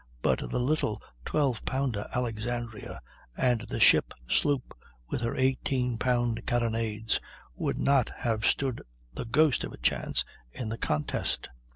But the little 12 pounder Alexandria, and the ship sloop with her 18 pound carronades, would not have stood the ghost of a chance in the contest.